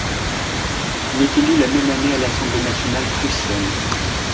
Il est élu la même année à l'assemblée nationale prussienne.